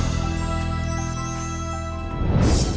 สวัสดีครับ